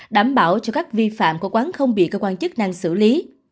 đảm bảo cho các vi phạm của quán không bị cơ quan chức năng xử lý